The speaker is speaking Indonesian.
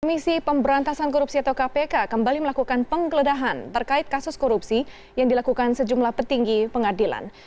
komisi pemberantasan korupsi atau kpk kembali melakukan penggeledahan terkait kasus korupsi yang dilakukan sejumlah petinggi pengadilan